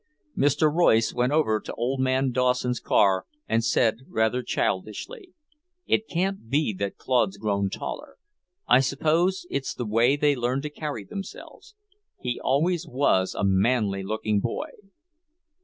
Mr. Royce went over to old man Dawson's car and said rather childishly, "It can't be that Claude's grown taller? I suppose it's the way they learn to carry themselves. He always was a manly looking boy."